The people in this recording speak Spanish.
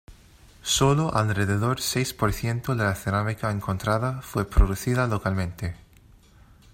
Sólo alrededor seis por ciento de la cerámica encontrada fue producida localmente.